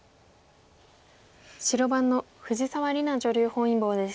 白番の藤沢里菜女流本因坊です。